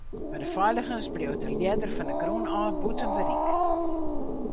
Foar de feiligens bliuwt de ljedder fan 'e grûn ôf bûten berik.